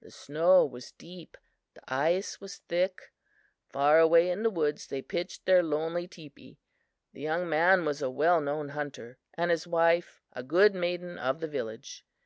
The snow was deep; the ice was thick. Far away in the woods they pitched their lonely teepee. The young man was a well known hunter and his wife a good maiden of the village.